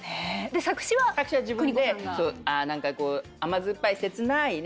作詞は自分で何かこう甘酸っぱい切ないね。